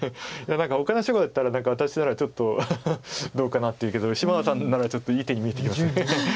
ほかの人だったら私ならちょっとどうかなって言うけど芝野さんならちょっといい手に見えてきます。